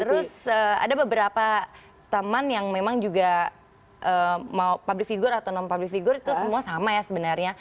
terus ada beberapa teman yang memang juga mau public figure atau non public figure itu semua sama ya sebenarnya